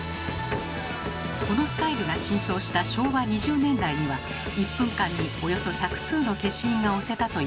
このスタイルが浸透した昭和２０年代には１分間におよそ１００通の消印が押せたと言われています。